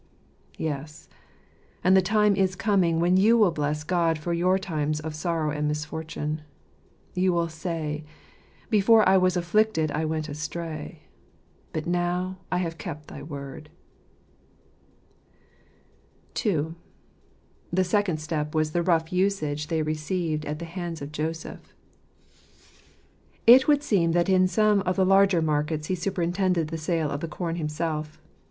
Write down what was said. Yes, and the time is coming when you will bless God for your times of sorrow and misfortune. You will say, " Before I was afflicted I went astray ; but now have I kept thy Word." II. The Second Step was the Rough Usage they Received at the Hands of Joseph. — It would seem that in some of the larger markets he superintended the sale of the corn himself.